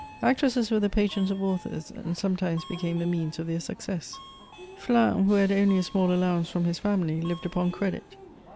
Actresses were the patrons of authors^ and sometimes became the means of their success. Flins, who had only a small allowance from his family, lived upon credit.